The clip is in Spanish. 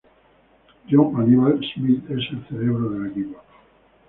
Jonh "Hannibal" Smith es el cerebro del equipo.